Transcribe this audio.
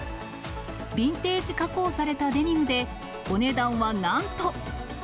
ビンテージ加工されたデニムで、お値段はなんと。